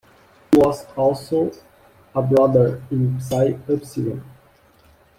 He was also a brother in Psi Upsilon.